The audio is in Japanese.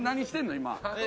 今。